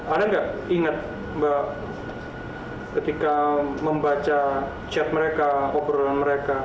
ada nggak ingat mbak ketika membaca chat mereka obrolan mereka